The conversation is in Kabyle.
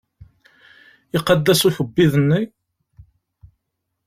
Iqadd-as ukebbiḍ-nni?